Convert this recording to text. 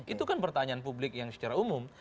itu kan pertanyaan publik yang secara umum